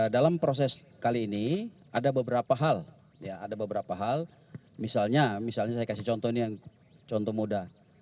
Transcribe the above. dalam proses kali ini ada beberapa hal ada beberapa hal misalnya misalnya saya kasih contoh ini yang contoh muda